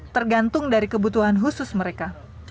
tergantung dari kebutuhan khusus mereka